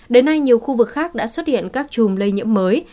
đến nay nhiều khu vực khác đã xuất hiện các chùm lây nhiễm mới